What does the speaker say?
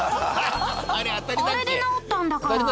あれで治ったんだから。